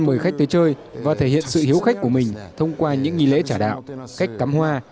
mời khách tới chơi và thể hiện sự hiếu khách của mình thông qua những nghi lễ trả đạo cách cắm hoa